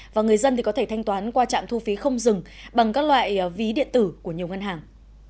và người dân có thể thanh toán qua trạm thu phí không dừng bằng các loại ví điện tử của nhiều ngân hàng